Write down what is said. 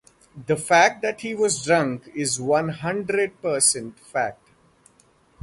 The fact that he was drunk is one hundred percent fact.